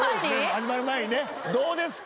始まる前に⁉どうですか？